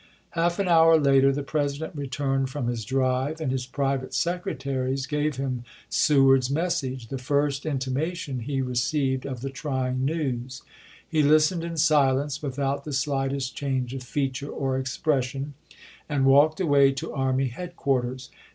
Half an hour later the President returned from his drive, and his private secretaries gave him Seward's message, the first intimation he re ceived of the trying news. He listened in silence, without the slightest change of feature or expres sion, and walked away to army headquarters.